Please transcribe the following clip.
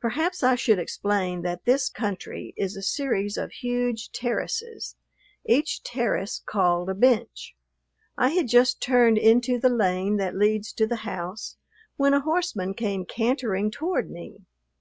Perhaps I should explain that this country is a series of huge terraces, each terrace called a bench. I had just turned into the lane that leads to the house when a horseman came cantering toward me.